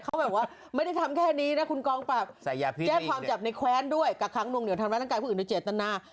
แก้ความจับในแค้นด้วยกลับซ้ำถาบก้องกลับข้างบนนั่นยาลังกายผู้อื่นก็เจรตนา